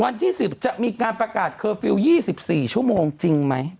วันที่๑๐จะมีการประกาศเคอร์ฟิลล์๒๔ชั่วโมงจริงไหม